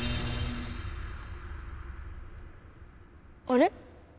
あれ？